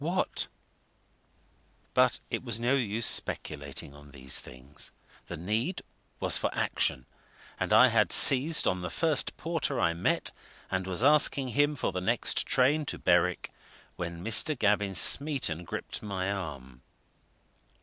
what But it was no use speculating on these things the need was for action. And I had seized on the first porter I met, and was asking him for the next train to Berwick, when Mr. Gavin Smeaton gripped my arm.